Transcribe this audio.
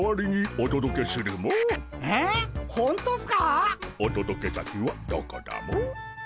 おとどけ先はどこだモ？